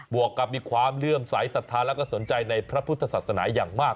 วกกับมีความเลื่อมสายศรัทธาและก็สนใจในพระพุทธศาสนาอย่างมาก